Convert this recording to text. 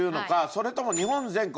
それとも日本全国